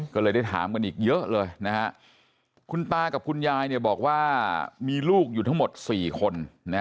ก็เลยได้ถามกันอีกเยอะเลยนะฮะคุณตากับคุณยายบอกว่ามีลูกอยู่ทั้งหมด๔คน